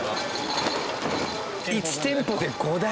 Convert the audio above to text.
１店舗で５台！？